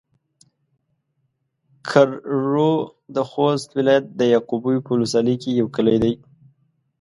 کرړو د خوست ولايت د يعقوبيو په ولسوالۍ کې يو کلی دی